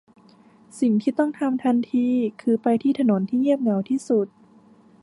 สิ่งที่ต้องทำทันทีคือไปที่ถนนที่เงียบเหงาที่สุด